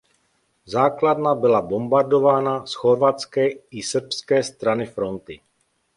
Základna byla bombardována z chorvatské i srbské strany fronty.